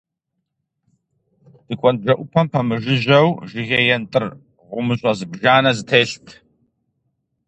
Тыкуэн бжэӀупэм пэмыжыжьэу жыгей ентӀыр гъумыщӀэ зыбжанэ зэтелът.